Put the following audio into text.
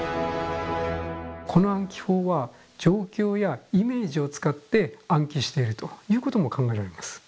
この暗記法は状況やイメージを使って暗記しているということも考えられます。